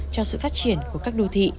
cho sự phát triển của các đô thị